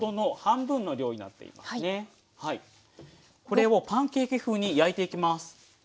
これをパンケーキ風に焼いていきます。